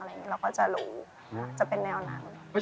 ชื่องนี้ชื่องนี้ชื่องนี้ชื่องนี้ชื่องนี้ชื่องนี้